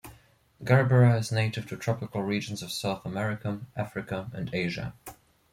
"Gerbera" is native to tropical regions of South America, Africa and Asia.